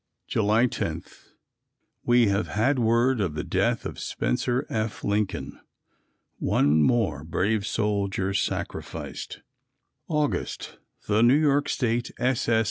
July 10. We have had word of the death of Spencer F. Lincoln. One more brave soldier sacrificed. August. The New York State S. S.